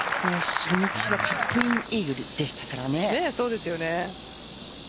初日はチップインイーグルでしたからね。